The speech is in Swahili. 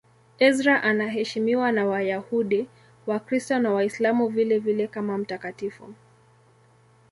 Ezra anaheshimiwa na Wayahudi, Wakristo na Waislamu vilevile kama mtakatifu.